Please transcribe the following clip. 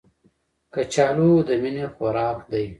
کچالو د مینې خوراک دی